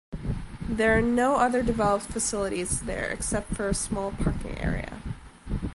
There are no other developed facilities there except for a small parking area.